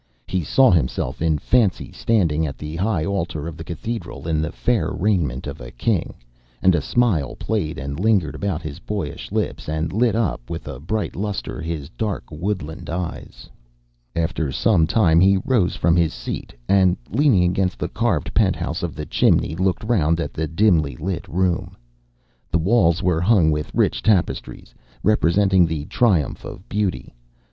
He saw himself in fancy standing at the high altar of the cathedral in the fair raiment of a King, and a smile played and lingered about his boyish lips, and lit up with a bright lustre his dark woodland eyes. After some time he rose from his seat, and leaning against the carved penthouse of the chimney, looked round at the dimly lit room. The walls were hung with rich tapestries representing the Triumph of Beauty.